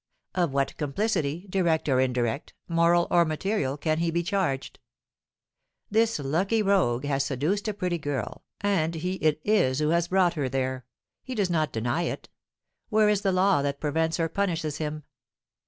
Of what complicity, direct or indirect, moral or material, can he be charged? This lucky rogue has seduced a pretty girl, and he it is who has brought her there; he does not deny it; where is the law that prevents or punishes him?